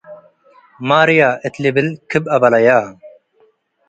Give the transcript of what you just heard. ማርየ።” እት ልብል ክብ አበለየ።